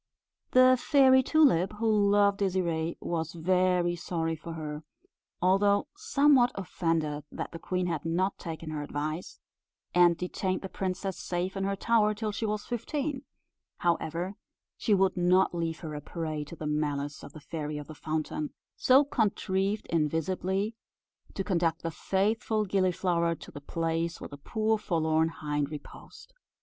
The Fairy Tulip, who loved Désirée, was very sorry for her, although somewhat offended that the queen had not taken her advice, and detained the princess safe in her tower till she was fifteen; however, she would not leave her a prey to the malice of the Fairy of the Fountain, so contrived invisibly to conduct the faithful Gilliflower to the place where the poor forlorn hind reposed.